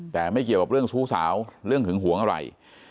แต่ไม่เกี่ยวกับเรื่องชู้สาวเรื่องหึงหวงอะไร